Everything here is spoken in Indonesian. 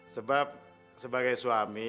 sebab sebagai suami